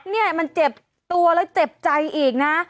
เนี่ยมันเจ็บตัวแล้วเจ็บใจอีกนะ